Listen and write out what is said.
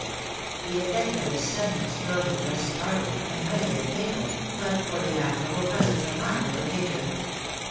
The effect of this sudden explosion was startling, and might have been fatal, but for the admirable presence of mind of the major.